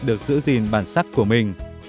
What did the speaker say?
được giữ gìn bản sắc của mình